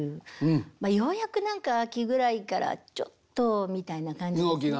ようやく何か秋ぐらいからちょっとみたいな感じですね。